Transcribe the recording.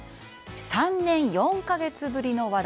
３年４か月ぶりの話題。